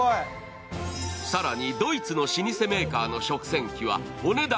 ドイツの老舗メーカーの食洗機はお値段